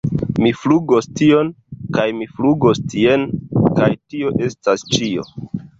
Mi flugos tion... kaj mi flugos tien kaj tio estas ĉio!!